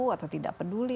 atau tidak peduli